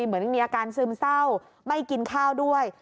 เหมือนมีอาการซึมเศร้าไม่กินข้าวด้วย